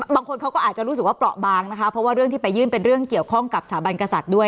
บางคนเขาก็อาจจะรู้สึกว่าเปราะบางนะคะเพราะว่าเรื่องที่ไปยื่นเป็นเรื่องเกี่ยวข้องกับสถาบันกษัตริย์ด้วย